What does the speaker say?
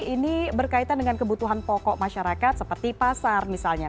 ini berkaitan dengan kebutuhan pokok masyarakat seperti pasar misalnya